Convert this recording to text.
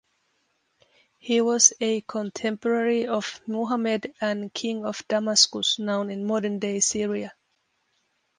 He was a contemporary of Muhammad and King of Damascus now in modern-day Syria.